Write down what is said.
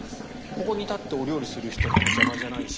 ここに立ってお料理する人にも邪魔じゃないし